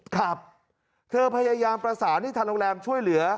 ครับเธอพยายามประสานให้ทางโรงแรมช่วยเหลือ